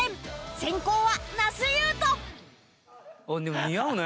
先攻は那須雄登でも似合うね。